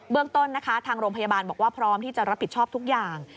เรื่องต้นนะคะทางโรงพยาบาลบอกว่าพร้อมที่จะรับผิดชอบทุกอย่าง